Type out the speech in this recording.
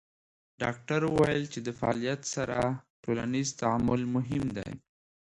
ډاکټره وویل چې د فعالیت سره ټولنیز تعامل مهم دی.